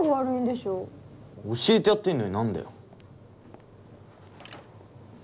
教えてやってんのに何だよ。